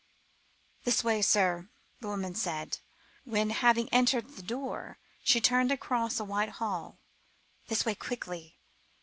"This way, sir," the woman said, when, having entered the door, she turned across a wide hall; "this way quickly!"